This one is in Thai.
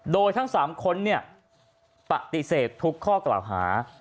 โดยทั้ง๓คนปฏิเสธทุกข้อกล่าวหา